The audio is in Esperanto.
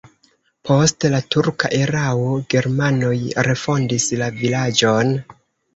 Post la turka erao germanoj refondis la vilaĝon.